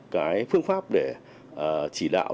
cái phương pháp để chỉ đạo